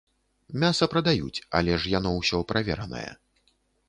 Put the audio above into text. Мяса прадаюць, але ж яно ўсё праверанае.